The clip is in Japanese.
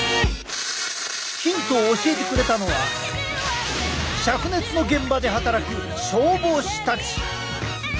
ヒントを教えてくれたのは灼熱の現場で働く消防士たち！